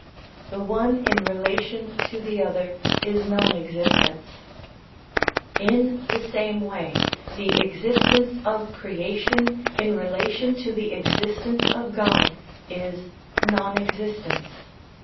The one in relation to the other is non existence. In the same way, the existence MISCELLANEOUS SUBJECTS 317 of creation in relation to the existence of God is non existence.